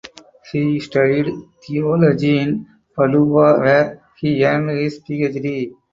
He studied theology in Padua where he earned his PhD.